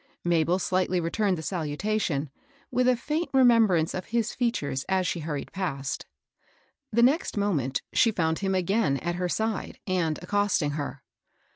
Mabel slightly re turned the salutation, with a fiiint remembrance of his features as she hurried past. The next moment she found him again at her side, and accosting her.